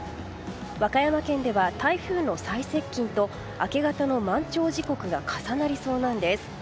和歌山県では台風の最接近と明け方の満潮時刻が重なりそうなんです。